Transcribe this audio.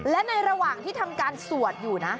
และในระหว่างที่ทำการสวดอยู่นะ